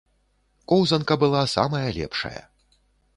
Коўзанка была самая лепшая.